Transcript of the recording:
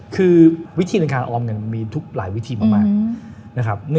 คือวิธีรายการออมเงินมีทุกหลายวิธีมาก